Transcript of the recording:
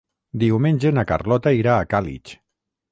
Diumenge na Carlota irà a Càlig.